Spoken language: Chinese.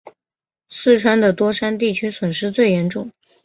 四川的多山地区损失最严重。